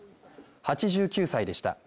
８９歳でした。